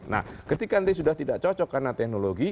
nah ketika nanti sudah tidak cocok karena teknologi